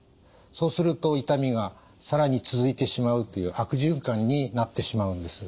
そうすると痛みが更に続いてしまうという悪循環になってしまうんです。